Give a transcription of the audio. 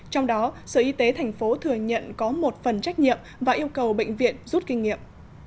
trong đó sở y tế thành phố thừa nhận có một phần trách nhiệm và yêu cầu bệnh viện rút kinh nghiệm